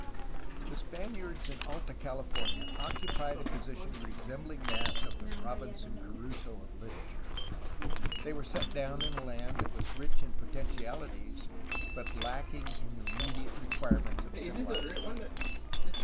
The Spaniards in Alta California occupied a position resembUng that of the Robinson Crusoe of literature. They were set down in a land that was rich in potentiaUties, but lacking in the immediate requirements of civilized Ufe.